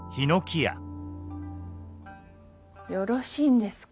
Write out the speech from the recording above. よろしいんですか？